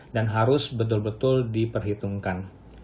dan harus betul betul diperhitungkan